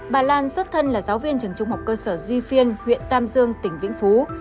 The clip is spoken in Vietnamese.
bà lan xuất thân là giáo viên trường trung học cơ sở duy phiên huyện tam dương tỉnh vĩnh phúc